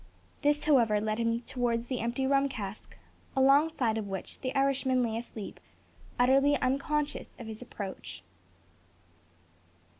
This, however, led him towards the empty rum cask, alongside of which the Irishman lay asleep, utterly unconscious of his approach.